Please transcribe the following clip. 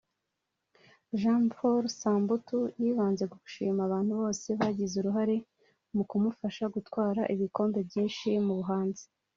Jean Paul Samputu yibanze ku gushima abantu bose bagize uruhare mu kumufasha gutwara ibikombe byinshi mu buhanzi